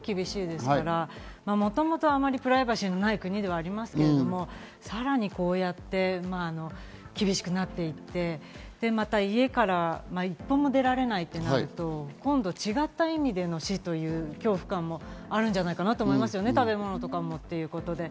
国の体制がものすごく厳しいですから、もともとあまりプライバシーのない国ではありますけれど、さらにこうやって厳しくなっていって、家から一歩も出られないってなると今度は違った意味での死という恐怖感もあるんじゃないかなと思いますよね。